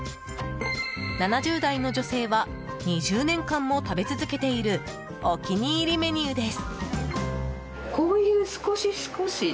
７０代の女性は２０年間も食べ続けているお気に入りメニューです。